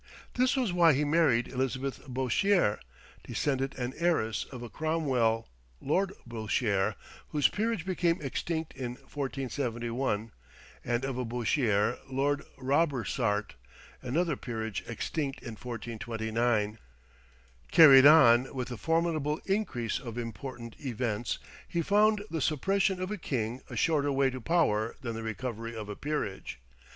This was why he married Elizabeth Bouchier, descendant and heiress of a Cromwell, Lord Bouchier, whose peerage became extinct in 1471, and of a Bouchier, Lord Robesart, another peerage extinct in 1429. Carried on with the formidable increase of important events, he found the suppression of a king a shorter way to power than the recovery of a peerage.